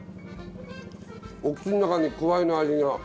お口の中にくわいの味が。